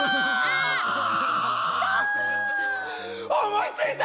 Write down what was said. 思いついた！